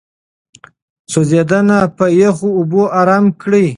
سوځېدنه په يخو اوبو آرام کړئ.